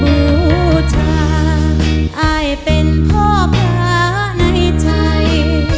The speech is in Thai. บูชาอายเป็นพ่อพระในใจ